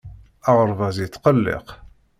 Aɣerbaz yettqelliq.